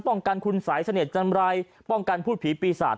ป้องกันคุณสายเสน่ห์จันไรป้องกันพูดผีปีศาจ